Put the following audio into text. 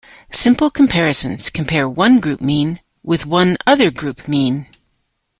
Simple comparisons compare one group mean with one other group mean.